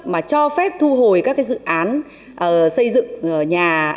mà cho phép thu hồi các dự án xây dựng nhà